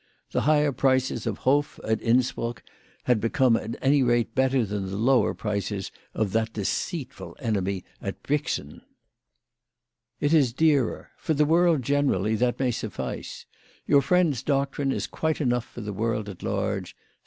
The higher prices of Hoff at Innsbruck had become at any rate better than the lower prices of that deceitful enemy at Brixen. "It is dearer. For the world generally that may suffice. Your friend's doctrine is quite enough for the world at large.